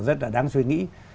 rất là đáng suy nghĩ